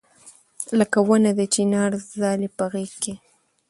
لکه ونه د چنار ځالې په غېږ کې